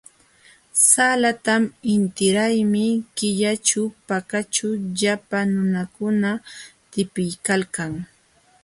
Salatam intiraymi killaćhu Pakaćhu llapa nunakuna tipiykalkan.